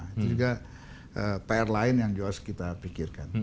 itu juga pr lain yang juga harus kita pikirkan